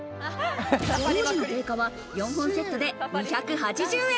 当時の定価は４本セットで２８０円。